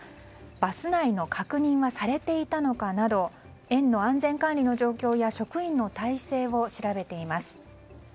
バス内の確認はされていたのかなど園の安全管理の状況や職員の体制を調べています。